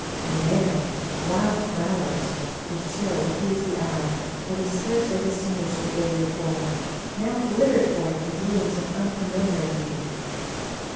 And, there, wild flow ers, whose chill hues the eye would have scarcely distin guished the day before, now glittered forth in blooms of unfamiliar beauty.